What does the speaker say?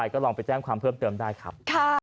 ก็ลองไปแจ้งความเพิ่มเติมได้ครับ